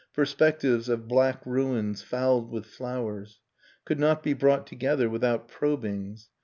Perspectives of black ruins fouled with flowers. Could not be brought together without probings